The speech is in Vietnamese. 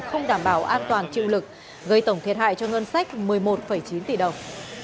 không đảm bảo an toàn chịu lực gây tổng thiệt hại cho ngân sách một mươi một chín tỷ đồng